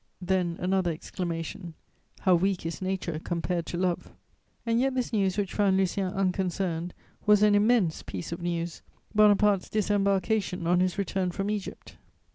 'Then another exclamation: "'How weak is nature compared to love!' "And yet this news which found Lucien unconcerned was an immense piece of news: Bonaparte's disembarkation on his return from Egypt.